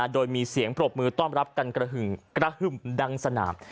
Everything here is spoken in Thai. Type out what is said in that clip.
โดยมีเสียงปรบมือต้อนรับกันกระหึ่มดังสนาม